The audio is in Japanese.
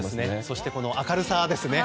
そしてこの明るさですね。